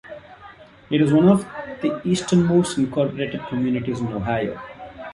It is one of the easternmost incorporated communities in Ohio.